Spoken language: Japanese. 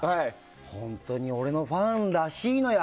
本当に俺のファンらしいのよ。